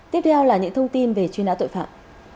tiếp theo là những thông tin về truy nã tội phạm